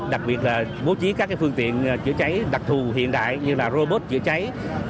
đặc biệt là bố trí các phương tiện chữa cháy đặc thù hiện đại như là robot chữa cháy